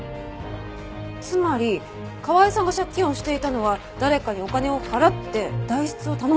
つまり川井さんが借金をしていたのは誰かにお金を払って代筆を頼んでいたって事ですか？